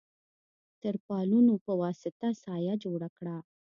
تر پالونو په واسطه سایه جوړه وه.